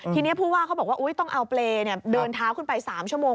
ทีนี้ผู้ว่าเขาบอกว่าต้องเอาเปรย์เดินเท้าขึ้นไป๓ชั่วโมง